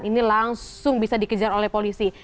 ini langsung bisa dikejar oleh polisi